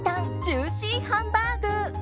ジューシーハンバーグ。